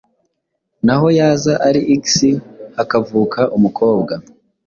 naho yaza ari X hakavuka umukobwa